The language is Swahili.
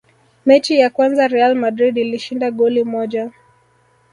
mechi ya kwanza real madrid ilishinda goli moja